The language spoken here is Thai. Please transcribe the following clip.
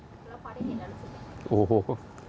แล้วพอได้เห็นแล้วรู้สึกอย่างไร